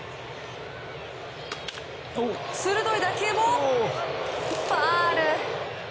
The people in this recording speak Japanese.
鋭い打球もファウル。